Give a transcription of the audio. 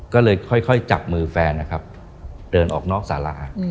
ก็เลยค่อยจับมือแฟนนะครับเดินออกนอกสารา